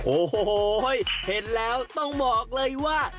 โอ้โหเห็นแล้วต้องบอกเลยว่า